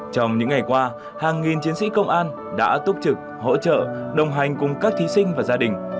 trong những ngày qua hàng nghìn chiến sĩ công an đã túc trực hỗ trợ đồng hành cùng các thí sinh và gia đình